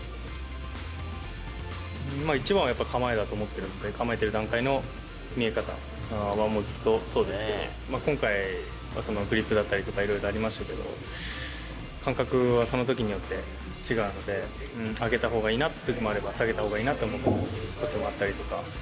一番は構えだと思っているので、構えている段階の見え方はずっとそうですけど、今回はそのグリップだったりとか、いろいろありましたけど、感覚はそのときによって違うので、上げたほうがいいなというときもあれば、下げたほうがいいなと思うときもあったり。